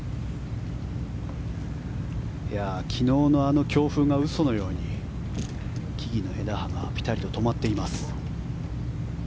昨日のあの強風が嘘のように木々の枝葉がぴたりと止まっています。